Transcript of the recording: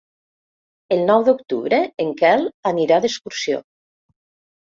El nou d'octubre en Quel anirà d'excursió.